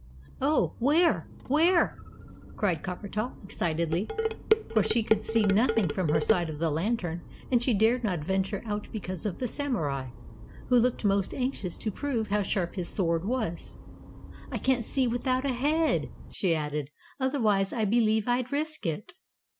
"Oh, where? Where?" cried Coppertop, excitedly, for she could see nothing from her side of the Lantern, and she dared not venture out because of the Samurai, who looked most anxious to prove how sharp his sword was. "I can't see without a head," she added. "Otherwise I believe I'd risk it."